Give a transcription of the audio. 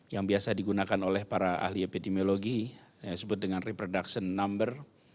yang biasa digunakan oleh para ahli epidemiologi yang disebut dengan reproduction number